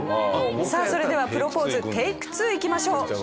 さあそれではプロポーズＴＡＫＥ２いきましょう。